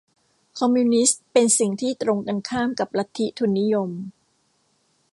คอมมิวนิสต์เป็นสิ่งที่ตรงกันข้ามกับลัทธิทุนนิยม